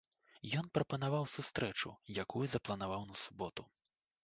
Ён прапанаваў сустрэчу, якую запланаваў на суботу.